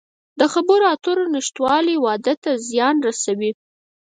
د خبرو اترو نشتوالی واده ته زیان رسوي.